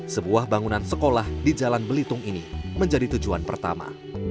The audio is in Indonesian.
sebuah bangunan sekolah di jalan belitung ini menjadi tujuan pertama